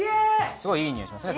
すごいいい匂いしますね。